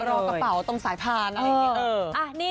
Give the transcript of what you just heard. รอกระเป๋าตรงสายพานอะไรอย่างนี้